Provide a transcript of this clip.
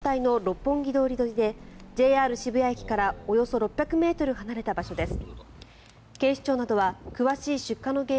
現場は通勤時間帯の六本木通り沿いでＪＲ渋谷駅からおよそ６００ｍ離れた場所です。